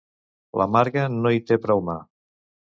La Marga no hi té prou mà.